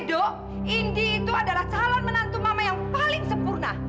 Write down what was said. do indi itu adalah calon menantu mama yang paling sempurna